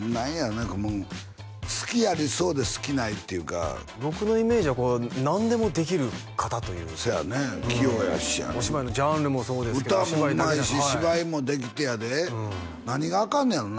何かもう隙ありそうで隙ないっていうか僕のイメージはこう何でもできる方というせやね器用やしお芝居のジャンルもそうですけどお芝居だけじゃ歌もうまいし芝居もできてやで何がアカンねやろな？